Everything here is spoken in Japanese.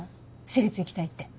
私立行きたいって。